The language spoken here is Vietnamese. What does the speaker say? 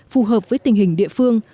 phù hợp với tình hình địa phương